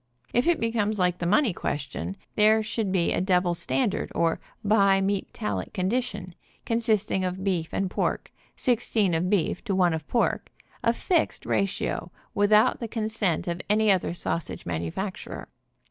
If it becomes like the money question, there should be a double standard, or bimetallic condition, 48 BI MEATALLIC SAUSAGE consisting of beef and pork, sixteen of beef to one of pork, a fixed ratio, without the consent of any other sausage manufacturer.